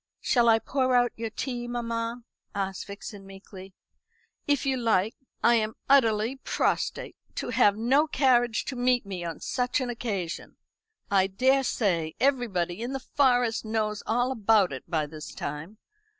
"Shall I pour out your tea, mamma?" asked Vixen meekly. "If you like. I am utterly prostrate. To have no carriage to meet me on such an occasion! I daresay everybody in the Forest knows all about it by this time.